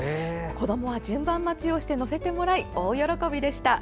子どもは順番待ちをして乗せてもらい、大喜びでした。